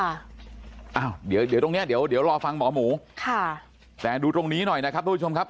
อ้าวเดี๋ยวเดี๋ยวตรงเนี้ยเดี๋ยวเดี๋ยวรอฟังหมอหมูค่ะแต่ดูตรงนี้หน่อยนะครับทุกผู้ชมครับ